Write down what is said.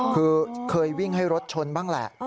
คือเคยวิ่งให้รถชนบ้างแหละ